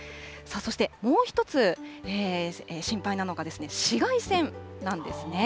そしてもう一つ心配なのが、紫外線なんですね。